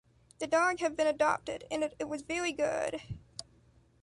The dog had been adopted, and it was very good.